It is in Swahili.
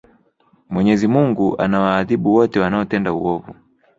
mwenyezi mungu anawaadhibu wote wanaotenda uovu